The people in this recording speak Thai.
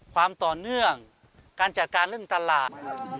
ความต่อเนื่องการจัดการเรื่องตลาด